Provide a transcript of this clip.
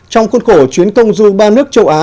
trong côn cổ chuyến công du ba nước châu á là sài gòn